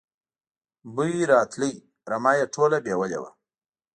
بوی راته، رمه یې ټوله بېولې وه.